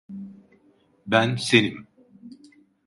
Ben senim.